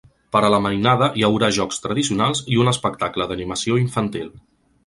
Per a la mainada hi haurà jocs tradicionals i un espectacle d’animació infantil.